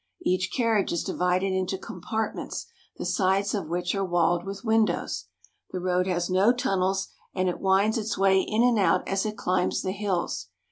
Each carriage is divided into compartments the sides of which are walled with windows. The road has no tunnels, and it winds its way in and out as it climbs the hills.